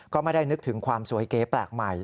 ก็ไม่ได้นึกถึงความสวยเก๋แปลกใหม่